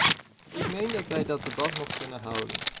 Ik meen dat wij dat debat nog kunnen houden.